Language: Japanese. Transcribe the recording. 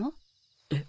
え？